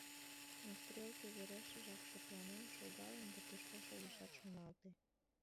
Но стрелке верешыжак шыпланен шогалын да тӧршташ огешат шоналте.